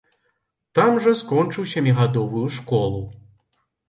Там жа скончыў сямігадовую школу.